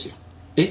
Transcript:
えっ？